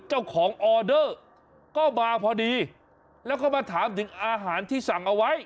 ออเดอร์ก็มาพอดีแล้วก็มาถามถึงอาหารที่สั่งเอาไว้